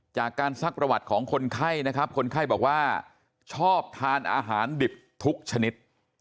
ซักประวัติของคนไข้นะครับคนไข้บอกว่าชอบทานอาหารดิบทุกชนิด